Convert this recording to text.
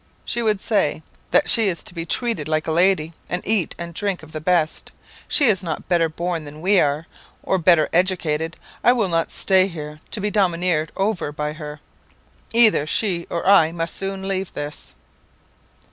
she would say, 'that she is to be treated like a lady, and eat and drink of the best. She is not better born than we are, or better educated. I will not stay here to be domineered over by her. Either she or I must soon leave this.'